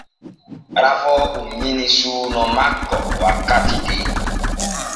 Rafoo ummini suuno makko wakkati den.